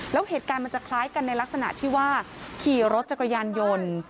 แล้วเหตุการณ์มันจะคล้ายกันในลักษณะที่ว่าขี่รถจักรยานยนต์